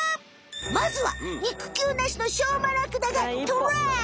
まずは肉球なしのしょうまラクダがトライ！